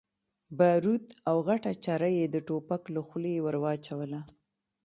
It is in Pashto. باروت او غټه چره يې د ټوپک له خولې ور واچوله.